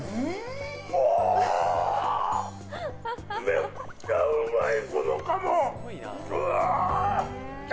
めっちゃうまい！